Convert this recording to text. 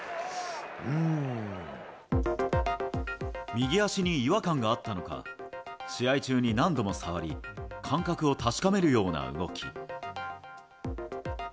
右足に違和感があったのか試合中に何度も触り感覚を確かめるような動き。